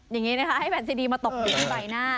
อย่างนี้นะคะให้แผ่นซีดีมาตกอยู่ที่ใบหน้า